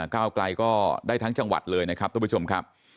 ก้าวไกลก็ได้ทั้งจังหวัดเลยนะครับทุกผู้ชมครับ